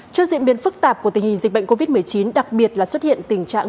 trước diễn biến phức tạp của tình hình dịch bệnh covid một mươi chín đặc biệt là xuất hiện tình trạng